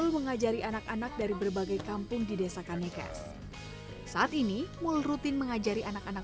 mengajari anak anak dari berbagai kampung di desa kanikes saat ini mul rutin mengajari anak anak